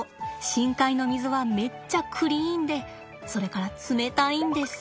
深海の水はめっちゃクリーンでそれから冷たいんです。